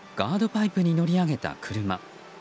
パイプに乗り上げた車。